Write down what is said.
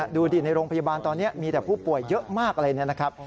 ดูดิในโรงพยาบาลตอนนี้มีแต่ผู้ป่วยเยอะมากอะไรเนี่ยนะครับ